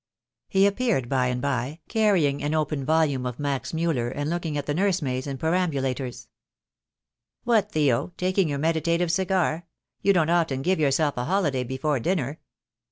He appeared by and by, carrying an open volume of THE DAY WILL COME. I 49 Max Muller and looking at the nursemaids and peram bulators. "What, Theo, taking your meditative cigar? You don't often give yourself a holiday before dinner."